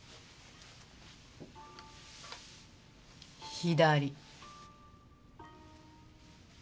左。